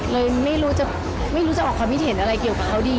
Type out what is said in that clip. เลยไม่รู้จะออกความมิถึงเห็นอะไรเกี่ยวกับเขาดี